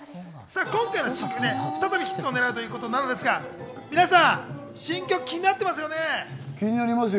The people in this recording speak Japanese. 今回の新曲、再びヒットを狙うということですが、皆さん新曲、気なってますよね？